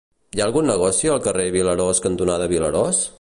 Hi ha algun negoci al carrer Vilarós cantonada Vilarós?